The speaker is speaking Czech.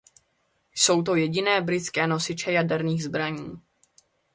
Jsou to jediné britské nosiče jaderných zbraní.